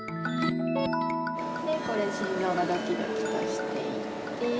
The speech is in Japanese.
でこれ心ぞうがドキドキとしていて。